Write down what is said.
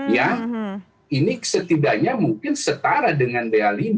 ya ini setidaknya mungkin setara dengan b lima